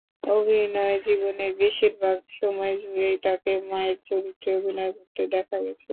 অভিনয়জীবনের বেশির ভাগ সময়জুড়েই তাঁকে মায়ের চরিত্রে অভিনয় করতে দেখা গেছে।